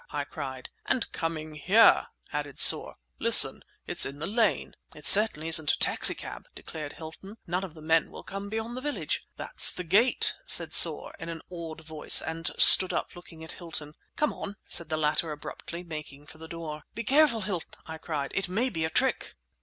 I cried. "And coming here!" added Soar. "Listen! it's in the lane!" "It certainly isn't a taxicab," declared Hilton. "None of the men will come beyond the village." "That's the gate!" said Soar, in an awed voice, and stood up, looking at Hilton. "Come on," said the latter abruptly, making for the door. "Be careful, Hilton!" I cried; "it may be a trick!"